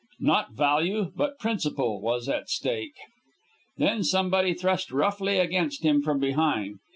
Not value, but principle, was at stake. Then somebody thrust roughly against him from behind.